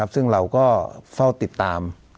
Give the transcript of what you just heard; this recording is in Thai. ซึ่งเราก็เฝ้าติดตาม